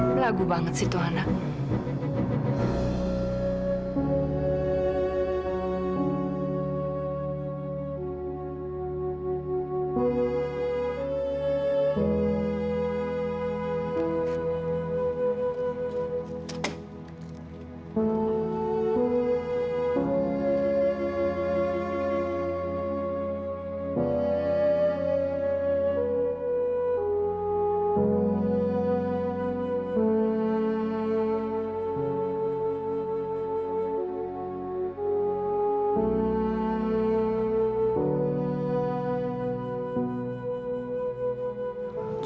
kalau ada air untuk infected segera pindah variants e